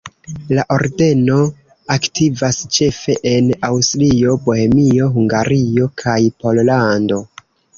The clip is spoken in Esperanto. La ordeno aktivas ĉefe en Aŭstrio, Bohemio, Hungario kaj Pollando.